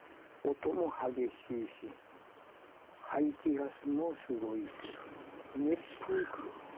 音も激しいし、排気ガスもすごいし、熱風くる。